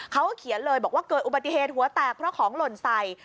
เขาก็เขียนเลยบอกว่าเกิดอุบัติเหตุหัวแตกเพราะของหล่นใส่